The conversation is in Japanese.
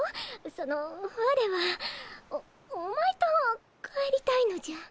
その我はおおまえと帰りたいのじゃ。